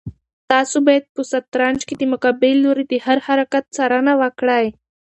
تاسو باید په شطرنج کې د مقابل لوري د هر حرکت څارنه وکړئ.